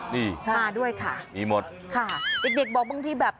นี่มีหมดค่ะด้วยค่ะอีกบอกบางทีแบบ